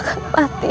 dia itu dia itu